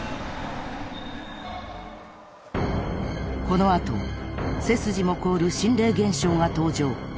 ［この後背筋も凍る心霊現象が登場］